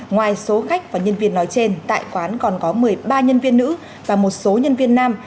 ngoài số khách và nhân viên nói trên tại quán còn có một mươi ba nhân viên nữ và một số nhân viên nam